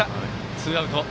ツーアウト。